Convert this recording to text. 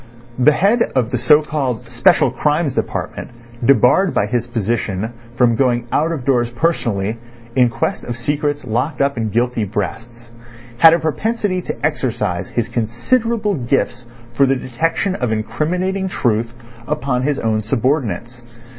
The head of the so called Special Crimes Department debarred by his position from going out of doors personally in quest of secrets locked up in guilty breasts, had a propensity to exercise his considerable gifts for the detection of incriminating truth upon his own subordinates.